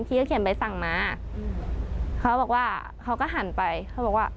ที่เขาเขียนใบสั่งมาเขาบอกว่าเขาก็หันไปเขาบอกว่า